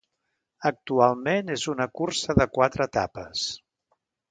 Actualment és una cursa de quatre etapes.